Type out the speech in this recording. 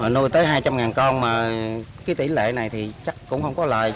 nuôi tới hai trăm linh con mà cái tỷ lệ này thì chắc cũng không có lợi